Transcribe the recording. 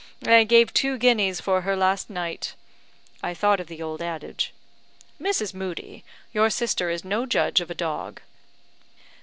I gave two guineas for her last night." (I thought of the old adage.) "Mrs. Moodie, your sister is no judge of a dog."